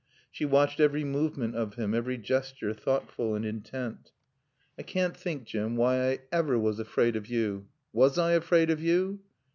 She watched every movement of him, every gesture, thoughtful and intent. "I can't think, Jim, why I ever was afraid of you. Was I afraid of you?"